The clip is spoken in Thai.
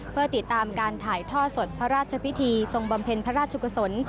เพื่อติดตามการถ่ายท่อสดพระราชพิธีทรงบำเพ็ญพระราชกุศล